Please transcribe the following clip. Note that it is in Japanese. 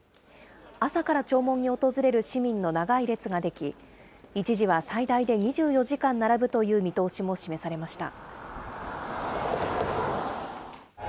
朝から弔問に訪れる市民の長い列が出来、一時は最大で２４時間並ぶという見通しも示されました。